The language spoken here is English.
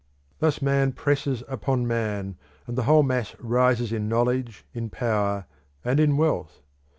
Thus man presses upon man, and the whole mass rises in knowledge, in power, and in wealth.